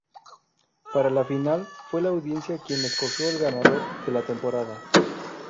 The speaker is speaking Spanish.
Para la final, fue la audiencia quien escogió al ganador de la temporada.